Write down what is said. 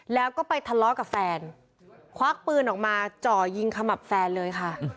แล้วก็ไปทะเลาะกับแฟนควักปืนออกมาจ่อยิงขมับแฟนเลยค่ะ